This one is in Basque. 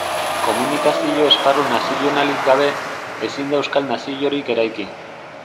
Komunikazio esparru nazionalik gabe, ezin da euskal naziorik eraiki.